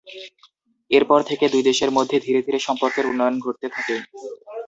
এরপর থেকে দুই দেশের মধ্যে ধীরে ধীরে সম্পর্কের উন্নয়ন ঘটতে থাকে।